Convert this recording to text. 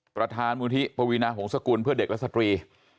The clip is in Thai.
ประธานมูลที่ปวีนาหงษกุลเพื่อเด็กและสตรี